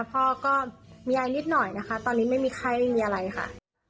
พ่อก็มีอะไรนิดหน่อยนะคะตอนนี้ไม่มีไข้ไม่มีอะไรค่ะ